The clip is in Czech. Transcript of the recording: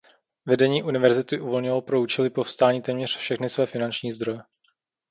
Vedení univerzity uvolnilo pro účely povstání téměř všechny své finanční zdroje.